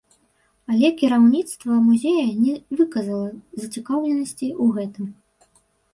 Але кіраўніцтва музея не выказала зацікаўленасці ў гэтым.